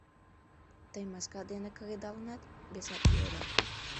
— Тый маска дене кредалынат? — весат йодо.